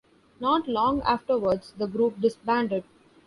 Not long afterwards the group disbanded.